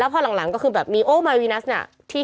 และพอหลังก็คือบอกมายวินัสเนี่ย